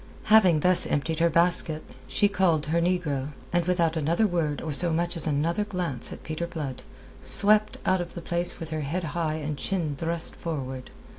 Having thus emptied her basket, she called her negro, and without another word or so much as another glance at Peter Blood, swept out of the place with her head high and chin thrust forward.